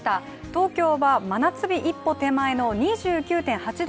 東京は真夏日一歩手前の２９．８度。